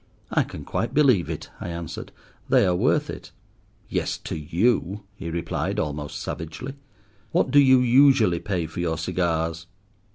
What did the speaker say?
"I can quite believe it," I answered; "they are worth it." "Yes, to you," he replied, almost savagely. "What do you usually pay for your cigars?"